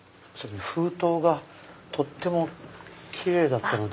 封筒がとっても奇麗だったので。